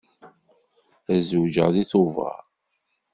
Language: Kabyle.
Ad zewǧeɣ deg Tubeṛ.